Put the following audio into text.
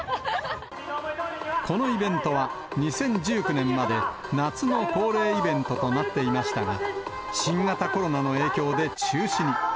このイベントは、２０１９年まで夏の恒例イベントとなっていましたが、新型コロナの影響で中止に。